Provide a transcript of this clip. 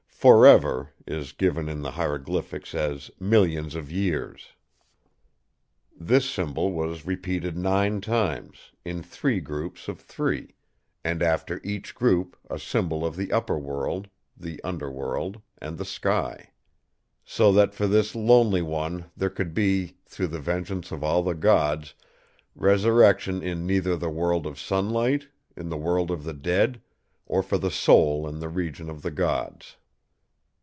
'For ever' is given in the hieroglyphics as 'millions of years'. This symbol was repeated nine times, in three groups of three; and after each group a symbol of the Upper World, the Under World, and the Sky. So that for this Lonely One there could be, through the vengeance of all the Gods, resurrection in neither the World of Sunlight, in the World of the Dead, or for the soul in the region of the Gods.